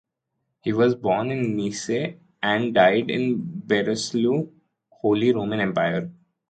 He was born in Neisse and died in Breslau, Holy Roman Empire.